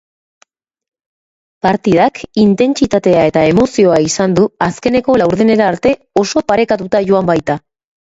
Partidak intentsitatea eta emozioa izan du azkeneko laurdenera arte oso parekatuta joan baita.